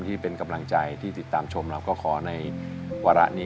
ที่เป็นกำลังใจที่ติดตามชมแล้วก็ขอในวาระนี้